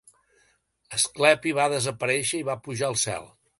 Asclepi va desaparèixer i va pujar al cel.